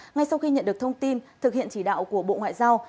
ngay sau khi nhận được thông tin thực hiện chỉ đạo của bộ ngoại giao